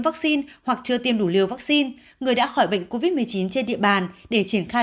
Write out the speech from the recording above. vaccine hoặc chưa tiêm đủ liều vaccine người đã khỏi bệnh covid một mươi chín trên địa bàn để triển khai